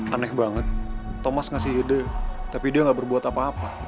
aneh banget thomas ngasih ide tapi dia gak berbuat apa apa